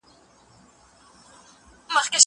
زه بوټونه نه پاکوم!!